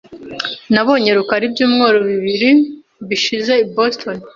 Nabonye rukara ibyumweru bibiri bishize i Boston .